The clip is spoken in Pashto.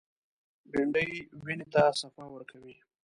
بېنډۍ وینې ته صفا ورکوي